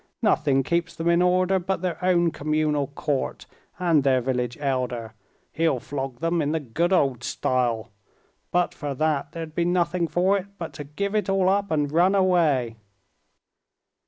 Nothing keeps them in order but their own communal court and their village elder. He'll flog them in the good old style! But for that there'd be nothing for it but to give it all up and run away."